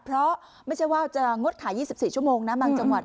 เพราะไม่ใช่ว่าจะงดขาย๒๔ชั่วโมงนะบางจังหวัด